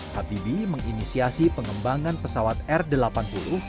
habibie menginisiasi pengembangan pesawat terbang